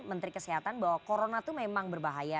menteri kesehatan bahwa corona itu memang berbahaya